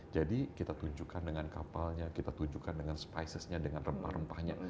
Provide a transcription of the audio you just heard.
jadi kita tunjukkan dengan kapalnya kita tunjukkan dengan spices nya dengan rempah rempahnya